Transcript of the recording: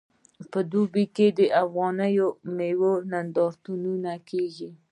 په دوبۍ کې د افغاني میوو نندارتون کیږي.